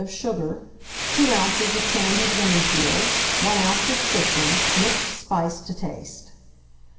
of sugar, 2 oz. of candied lemon peel, 1 oz. of citron, mixed spice to taste.